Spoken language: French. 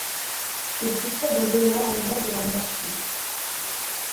Il succède aux honneurs anglais de la monarchie.